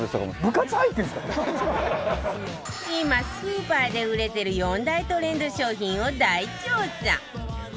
今スーパーで売れてる４大トレンド商品を大調査！